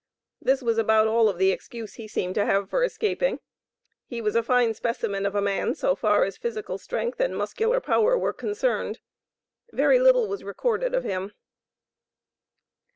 This was about all of the excuse he seemed to have for escaping. He was a fine specimen of a man, so far as physical strength and muscular power were concerned. Very little was recorded of him.